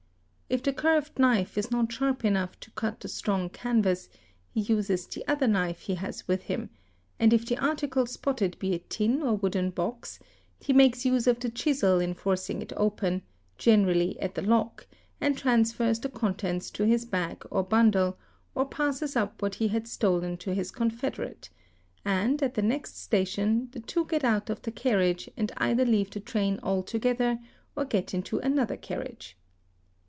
If the curved knife is not sharp enough to cut the strong canvas, he uses the other knife he has with him, and if the article spotte be a tin or wooden box, he makes use of the chisel in forcing it open, gel erally at the lock, and transfers the contents to his bag or bundle, or passt up what he had stolen to his confederate, and, at the next station, the tw get out of the carriage, and either leave the train altogether, or get in another carriage.